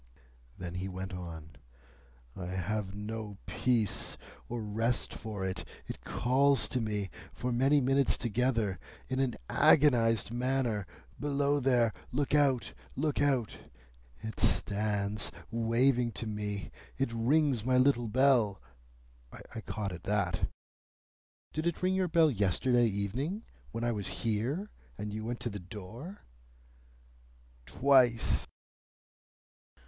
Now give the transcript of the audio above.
Then he went on. "I have no peace or rest for it. It calls to me, for many minutes together, in an agonised manner, 'Below there! Look out! Look out!' It stands waving to me. It rings my little bell—" I caught at that. "Did it ring your bell yesterday evening when I was here, and you went to the door?" "Twice."